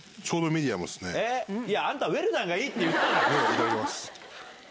いただきます。